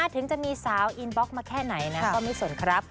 ถึงจะมีสาวอินบล็อกมาแค่ไหนนะก็ไม่สนครับ